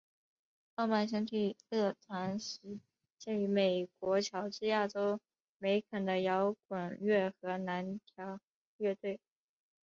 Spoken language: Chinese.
欧曼兄弟乐团始建于美国乔治亚州梅肯的摇滚乐和蓝调乐团。